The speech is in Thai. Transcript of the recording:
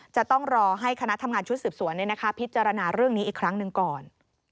จะต้องรอให้คณะทำงานชุดสืบสวนพิจารณาเรื่องนี้อีกครั้งหนึ่งก่อน